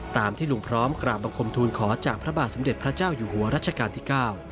ตามที่ลุงพร้อมกราบบังคมทูลขอจากพระบาทสมเด็จพระเจ้าอยู่หัวรัชกาลที่๙